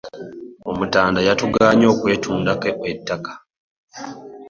Omutanda yatugaana okwetundako ettaka.